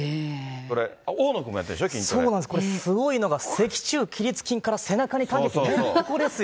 これ、大野君もやってるんでしょう、そうなんです、これ、すごいのが脊柱起立筋から背中にかけて、ここですよ。